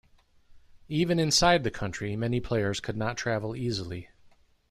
Even inside the country, many players could not travel easily.